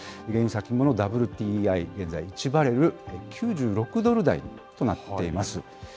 原油先物・ＷＴＩ、現在、１バレル９６ドル台となっています。